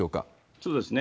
そうですね。